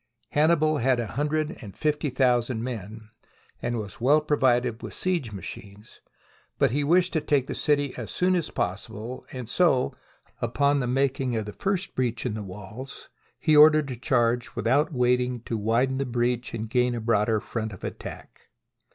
Hannibal had a hundred and fifty thousand men, and was well provided with siege machines, but he wished to take the city as soon as possible; and so, upon the making of the first breach in the walls, he ordered a charge without waiting to widen the breach and gain a broader front of attack.